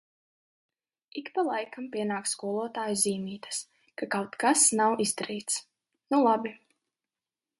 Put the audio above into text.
Ik pa laikam pienāk skolotāju zīmītes, ka kaut kas nav izdarīts. Nu, labi.